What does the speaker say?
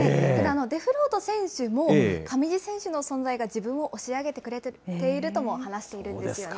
デフロート選手も上地選手の存在が自分を押し上げてくれているとも話しているんですよね。